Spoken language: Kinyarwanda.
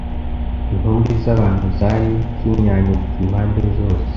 intumbi z'abantu zari zinyanyagiye impande zose